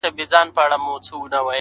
ستا د سترگو په بڼو کي را ايسار دي”